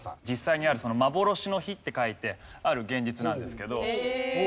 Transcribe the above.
実際にある「幻の日」って書いてある「幻日」なんですけど。